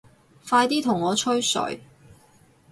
快啲同我吹水